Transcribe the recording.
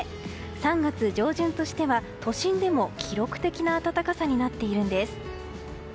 ３月上旬としては都心でも記録的な暖かさになっているんです。